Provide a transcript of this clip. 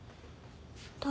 誰？